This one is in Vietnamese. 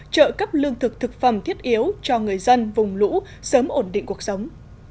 trợ cấp lương thực thực phẩm thiết yếu cho người dân vùng lũ sớm ổn định cuộc sống